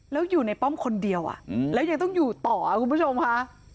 แล้วอยู่ในป้อมคนเดียวแล้วยังต้องอยู่ต่อคุณผู้ชมค่ะ